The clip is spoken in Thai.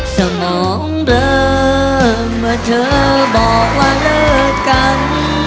สมองเริ่มเมื่อเธอบอกว่าเลิกกัน